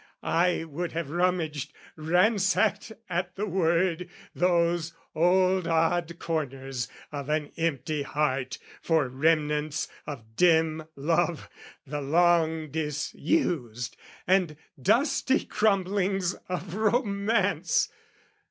I would have rummaged, ransacked at the word Those old odd corners of an empty heart For remnants of dim love the long disused, And dusty crumblings of romance!